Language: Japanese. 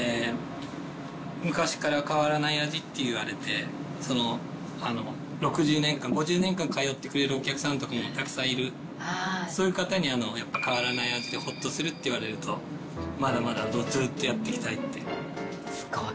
昔から変わらない味って言われて、６０年間、５０年間通ってくれるお客さんとかもたくさんいる、そういう方に、やっぱ変わらない味でほっとするって言われると、まだまだずっすごい。